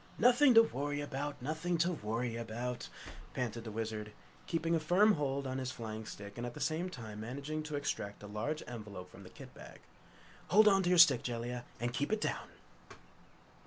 "Nothing to worry about! Nothing to worry about!" panted the Wizard, keeping a firm hold on his flying stick and at the same time managing to extract a large envelope from the kit bag. "Hold on to that stick, Jellia, and keep it down!"